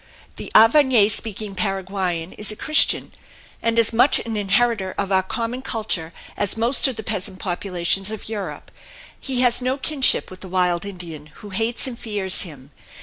The Guarany speaking Paraguayan is a Christian, and as much an inheritor of our common culture as most of the peasant populations of Europe. He has no kinship with the wild Indian, who hates and fears him.